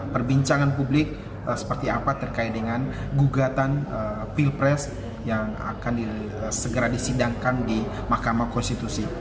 perbincangan publik seperti apa terkait dengan gugatan pilpres yang akan segera disidangkan di mahkamah konstitusi